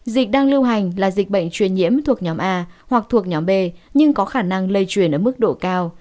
dịch đang lưu hành là dịch bệnh truyền nhiễm thuộc nhóm a hoặc thuộc nhóm b nhưng có khả năng lây truyền ở mức độ cao